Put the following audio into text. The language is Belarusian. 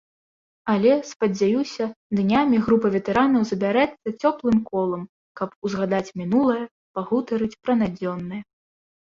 Але, спадзяюся, днямі група ветэранаў збярэцца цёплым колам, каб узгадаць мінулае, пагутарыць пра надзённае.